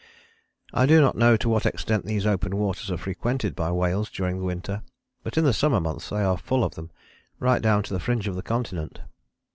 " I do not know to what extent these open waters are frequented by whales during the winter, but in the summer months they are full of them, right down to the fringe of the continent.